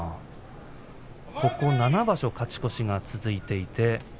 ここ７場所勝ち越しが続いています。